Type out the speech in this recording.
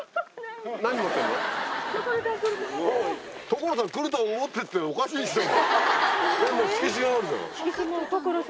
「所さん来ると思って」っておかしいでしょ。